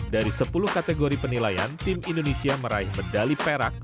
dari sepuluh kategori penilaian tim indonesia meraih medali perak